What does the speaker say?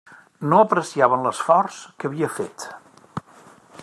No apreciaven l'esforç que havia fet.